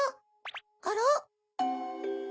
あら？